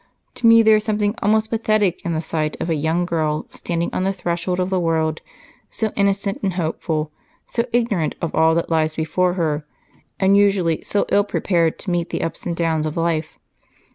To me there is something almost pathetic in the sight of a young girl standing on the threshold of the world, so innocent and hopeful, so ignorant of all that lies before her, and usually so ill prepared to meet the ups and downs of life.